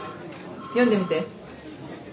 読んでみて。